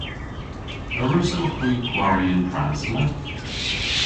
A wrussowgh hwi gwari y'n pras na?